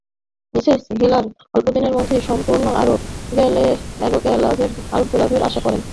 Mrs হিলার অল্পদিনের মধ্যেই সম্পূর্ণ আরোগ্যলাভের আশা করছেন।